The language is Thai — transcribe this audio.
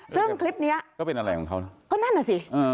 ซึ่งคลิปนี้ก็เป็นอะไรของเขานะก็นั่นน่ะสิ